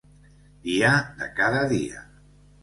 Dia de cada dia.